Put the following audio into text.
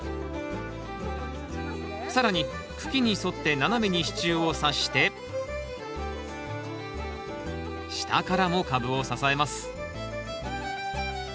更に茎に沿って斜めに支柱をさして下からも株を支えます